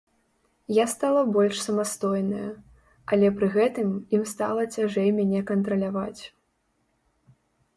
Я стала больш самастойная, але пры гэтым ім стала цяжэй мяне кантраляваць.